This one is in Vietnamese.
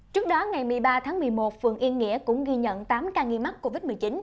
trước đó ngày một mươi ba tháng một mươi một phường yên nghĩa cũng ghi nhận tám ca nghi mắc covid một mươi chín